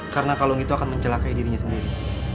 karena kalung itu akan mencelakai dirinya sendiri